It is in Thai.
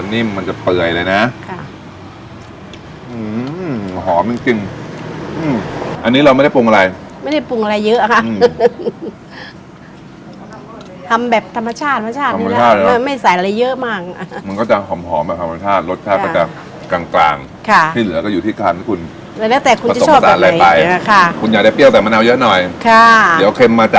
เนื้อมันจะนิ่มเลยค่ะมันจะนิ่มมันจะเปื่อยเลยนะ